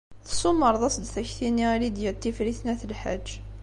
Tessumreḍ-as-d takti-nni i Lidya n Tifrit n At Lḥaǧ.